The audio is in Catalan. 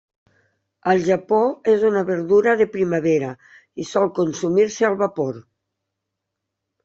Al Japó és una verdura de primavera i sol consumir-se al vapor.